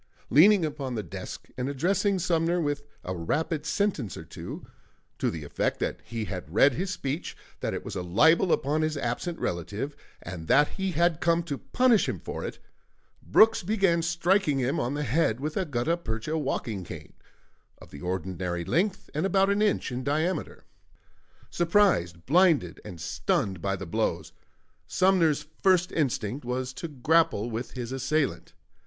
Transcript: Leaning upon the desk and addressing Sumner with a rapid sentence or two, to the effect that he had read his speech, that it was a libel upon his absent relative, and that he had come to punish him for it, Brooks began striking him on the head with a gutta percha walking cane, of the ordinary length and about an inch in diameter. Surprised, blinded and stunned by the blows, Sumner's first instinct was to grapple with his assailant.